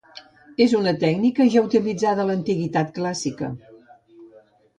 És una tècnica ja utilitzada a l'antiguitat clàssica.